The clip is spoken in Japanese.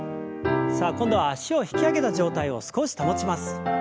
さあ今度は脚を引き上げた状態を少し保ちます。